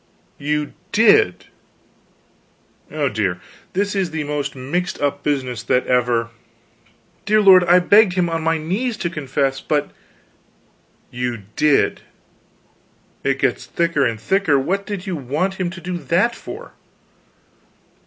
"You did? Oh, dear, this is the most mixed up business that ever " "Dear lord, I begged him on my knees to confess, but " "You did! It gets thicker and thicker. What did you want him to do that for?"